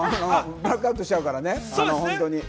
ブラックアウトしちゃうからね。